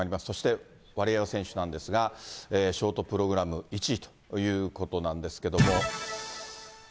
そしてワリエワ選手なんですが、ショートプログラム１位ということなんですけども。